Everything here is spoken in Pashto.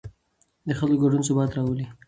د خلکو ګډون ثبات راولي